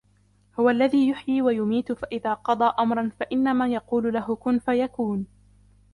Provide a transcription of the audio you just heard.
هُوَ الَّذِي يُحْيِي وَيُمِيتُ فَإِذَا قَضَى أَمْرًا فَإِنَّمَا يَقُولُ لَهُ كُنْ فَيَكُونُ